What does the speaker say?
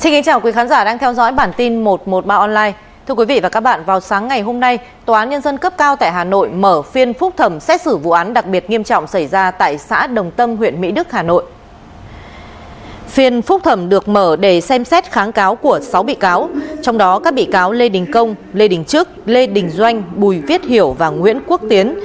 hãy đăng ký kênh để ủng hộ kênh của chúng mình nhé